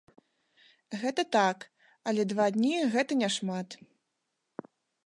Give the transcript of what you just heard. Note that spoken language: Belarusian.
Гэта так, але два дні гэта не шмат.